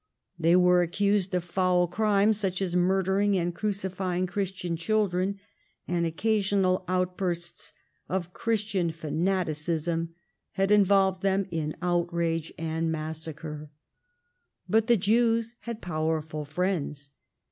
They were accused of foul crimes, such as murdering and crucifying Christian children, and occasional outbursts of Christian fanaticism had involved them in outrage and massacre. But the Jews had powerful friends.